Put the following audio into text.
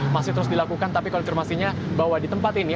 masih terus dilakukan tapi konfirmasinya bahwa di tempat ini